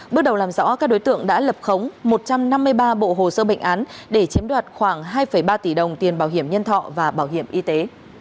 bước đầu làm rõ các đối tượng đã lập khống một trăm năm mươi ba bộ hồ sơ bệnh án để chiếm đoạt khoảng hai ba tỷ đồng tiền bảo hiểm nhân thọ và bảo hiểm y tế